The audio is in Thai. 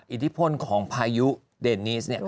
อิทธิพลของพายุเดนีส